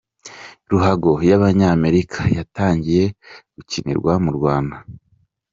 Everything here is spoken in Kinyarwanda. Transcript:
Ruhago y’Abanyamerika yatangiye gukinirwa mu Rwanda